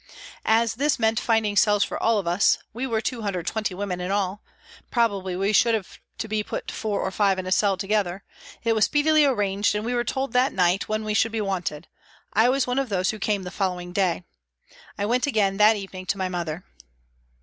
As this meant finding cells for all of us we were 220 women in all probably we should have to be put four or five in a cell together ; it was speedily arranged and we were told that night when we should be wanted ; I was one of those who came the following day. I went again that evening to my mother.